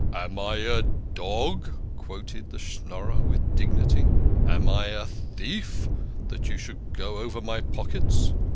"Am I a dog?" quoted the Schnorrer with dignity. "Am I a thief that you should go over my pockets?